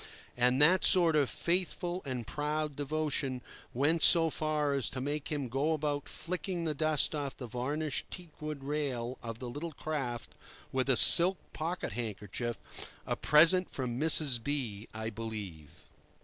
And that sort of faithful and proud devotion went so far as to make him go about flicking the dust off the varnished teak wood rail of the little craft with a silk pocket handkerchief—a present from Mrs. B—, I believe.